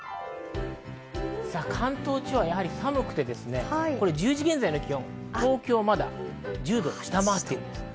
関東地方は寒くて１０時現在の気温、東京はまだ１０度を下回っています。